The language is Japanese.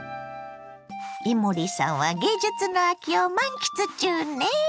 伊守さんは芸術の秋を満喫中ね。